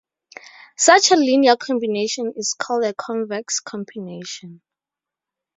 Such a linear combination is called a convex combination.